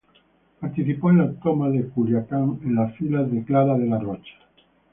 Participó en la toma de Culiacán, en las filas de Clara de la Rocha.